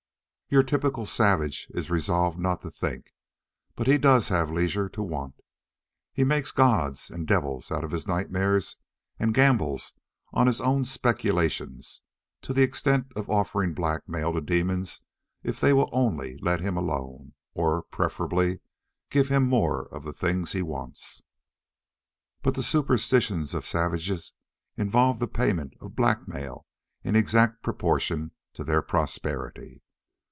Your typical savage is resolved not to think, but he does have leisure to want. He makes gods and devils out of his nightmares, and gambles on his own speculations to the extent of offering blackmail to demons if they will only let him alone or preferably give him more of the things he wants. But the superstitions of savages involve the payment of blackmail in exact proportion to their prosperity.